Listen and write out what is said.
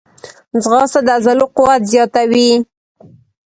ځغاسته د عضلو قوت زیاتوي